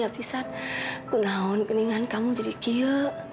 aku bisa kenaun keningan kamu jadi kia